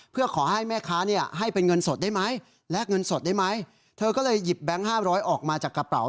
เพื่อขอให้แม่ค้าเนี่ยให้เป็นเงินสดได้ไหมแลกเงินสดได้ไหมเธอก็เลยหยิบแบงค์๕๐๐ออกมาจากกระเป๋า